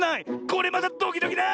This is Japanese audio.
これまたドキドキだ！